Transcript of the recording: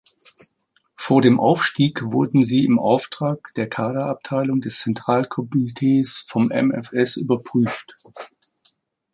Vor dem Aufstieg wurden sie im Auftrag der Kaderabteilung des Zentralkomitees vom MfS überprüft.